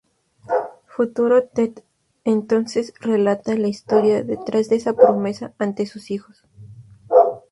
Futuro Ted entonces relata la historia detrás de esa promesa ante sus hijos.